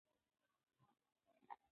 دا رومان د هرې زمانې لپاره ګټور دی.